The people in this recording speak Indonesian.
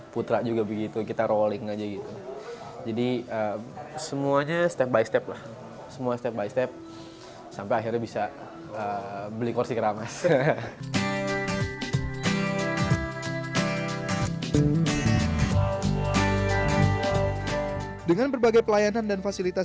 putra juga begitu kita rolling aja gitu